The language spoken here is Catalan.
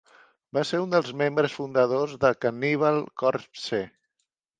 Va ser un dels membres fundadors de Cannibal Corpse.